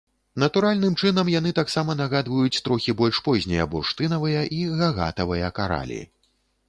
Натуральным чынам яны таксама нагадваюць трохі больш познія бурштынавыя і гагатавыя каралі.